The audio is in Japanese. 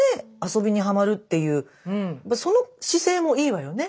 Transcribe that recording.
遊びにハマるっていうその姿勢もいいわよね。